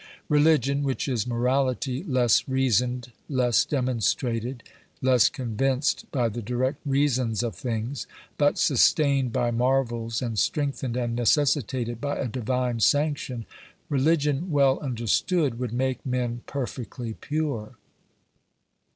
Religion, which is morality less reasoned, less demonstrated, less convinced by the direct reasons of things, but sustained by marvels and strengthened and necessitated by a divine sanction — religion, well understood, would make men perfectly pure.